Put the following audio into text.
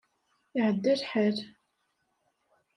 Iɛedda lḥal.